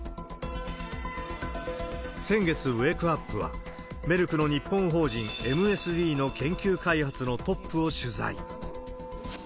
先月、ウェークアップは、メルクの日本法人ＭＳＤの研究開発のトップを取材。